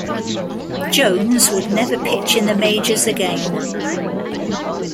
Jones would never pitch in the majors again.